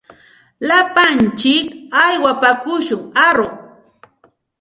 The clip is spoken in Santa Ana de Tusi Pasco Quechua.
Lapantsik aywapaakushun aruq.